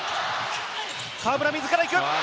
河村自らいく！